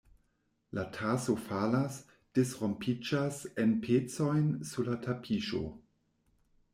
La taso falas, disrompiĝas en pecojn sur la tapiŝo.